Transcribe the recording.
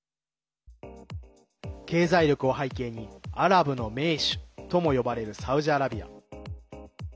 経済力を背景にアラブの盟主とも呼ばれるサウジアラビア。